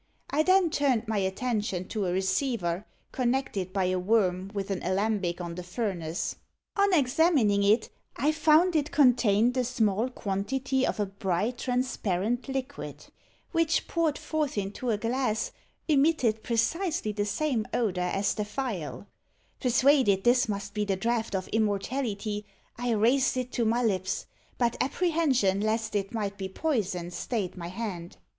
I then turned my attention to a receiver, connected by a worm with an alembic on the furnace. On examining it, I found it contained a small quantity of a bright transparent liquid, which, poured forth into a glass, emitted precisely the same odour as the phial. Persuaded this must be the draught of immortality, I raised it to my lips; but apprehension lest it might be poison stayed my hand.